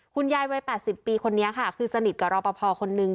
คุณยายวัย๘๐ปีคนนี้ค่ะคือสนิทกับรอปภคนนึง